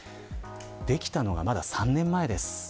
できたのが、まだ３年前です。